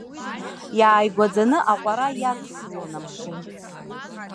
Иааигәаӡаны аҟәара иадсылон амшын.